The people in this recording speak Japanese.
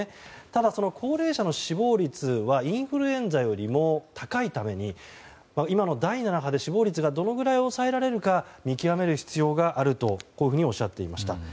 ただ、高齢者の死亡率はインフルエンザよりも高いために今の第７波で死亡率がどのぐらい抑えられるか見極める必要があるとおっしゃっていました。